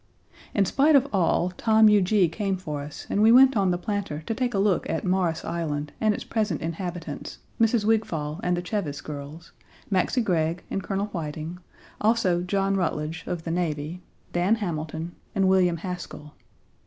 In spite of all, Tom Huger came for us and we went on the Planter to take a look at Morris Island and its present inhabitants Mrs. Wigfall and the Cheves girls, Maxcy Gregg and Colonel Whiting, also John Rutledge, of the Navy, Dan Hamilton, and William Haskell.